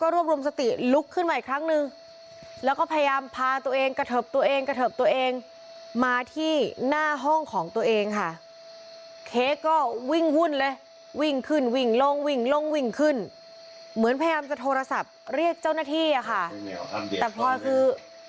ก็วิ่งหุ้นเลยวิ่งขึ้นวิ่งลงวิ่งลงวิ่งขึ้นเหมือนพยาบาศโทรศัพท์เรียกเจ้าหน้าที่อะค่ะหันตามเด็กแม่ครบด้วยได้เหรอเลยคู่